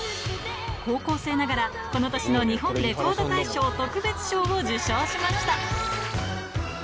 高校生ながら、この年の日本レコード大賞特別賞を受賞しました。